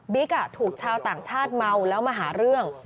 ถูกชาวต่างชาติเมาแล้วมาหาเรื่อง